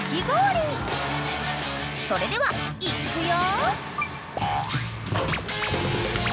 ［それではいっくよ］